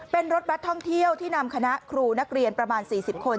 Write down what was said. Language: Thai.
เป็นรถบัตรท่องเที่ยวที่นำคณะครูนักเรียนประมาณ๔๐คน